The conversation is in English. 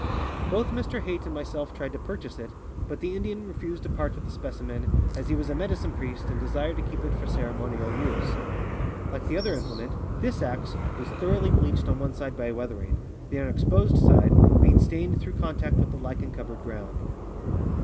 Both Mr Hayt and myself tried to purchase it, but the Indian refused to part with the specimen, as he was a medicine priest and desired to keep it for ceremonial use. Like the other imple ment, this ax was thoroughly bleached on one side by weather ing, the unexposed side being stained through contact with the lichen covered ground.